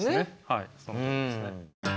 はいそのとおりですね。